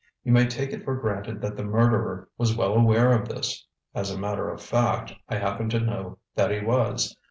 You may take it for granted that the murderer was well aware of this. As a matter of fact, I happen to know that he was.